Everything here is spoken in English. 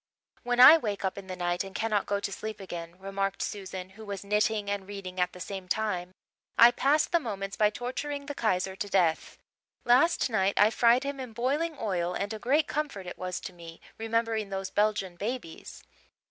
"When I wake up in the night and cannot go to sleep again," remarked Susan, who was knitting and reading at the same time, "I pass the moments by torturing the Kaiser to death. Last night I fried him in boiling oil and a great comfort it was to me, remembering those Belgian babies."